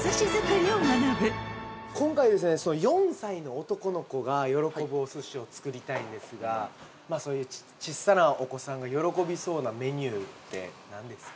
４歳の男の子が喜ぶお寿司を作りたいんですがそういうちっさなお子さんが喜びそうなメニューって何ですか？